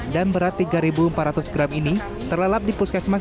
dan berat tiga empat ratus gram ini terlelap di puskesmas